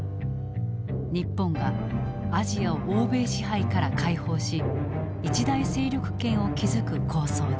日本がアジアを欧米支配から解放し一大勢力圏を築く構想だ。